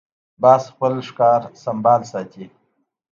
باز خپل ښکار سمبال ساتي